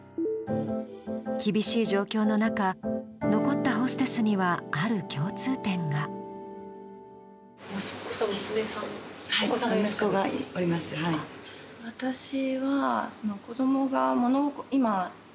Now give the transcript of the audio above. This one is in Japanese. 厳しい状況の中残ったホステスにはある共通点が。